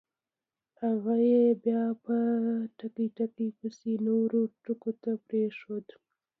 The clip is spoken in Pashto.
هغه یې بیا به … پسې نورو ټکو ته پرېنښود.